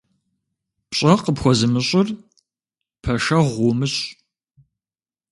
Пщӏэ къыпхуэзымыщӏыр пэшэгъу умыщӏ.